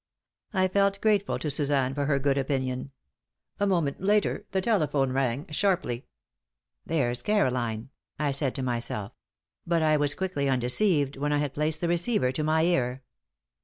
I felt grateful to Suzanne for her good opinion. A moment later, the telephone rang, sharply. "There's Caroline," I said to myself; but I was quickly undeceived when I had placed the receiver to my ear.